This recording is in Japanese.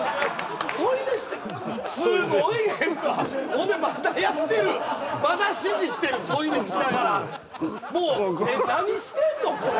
添い寝してすごい現場そんでまだやってるまだ指示してる添い寝しながらもう何してんのこれ？